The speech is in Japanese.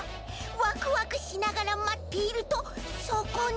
ワクワクしながらまっているとそこに！